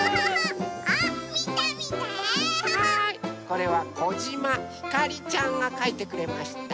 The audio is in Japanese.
これはこじまひかりちゃんがかいてくれました。